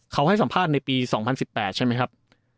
เขาให้สัมภาษณ์ในปี๒๐๑๘ใช่ไหมครับ